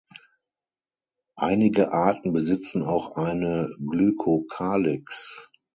Einige Arten besitzen auch eine Glykokalyx.